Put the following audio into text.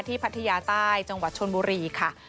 พัทยาใต้จังหวัดชนบุรีค่ะ